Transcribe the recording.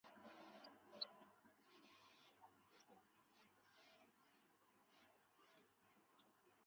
此理论可以帮助预测人与人之间的关系。